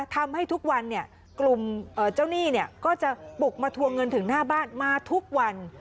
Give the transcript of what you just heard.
ทำให้ทุกวันกลุ่มเจ้าหนี้ก็จะบุกมาทวงเงินถึงหน้าบ้านมาทุกวัน